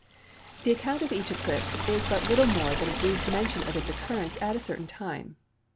The account of each eclipse is but little more than a brief mention of its occurrence at a certain time.